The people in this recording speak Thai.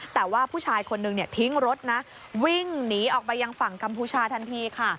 แต่ว่าผู้ชายคนนึงทิ้งรถนะวิ่งหนีออกไปยังฝั่งกัมพูชาทันทีค่ะ